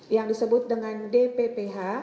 yang disebut dengan dpph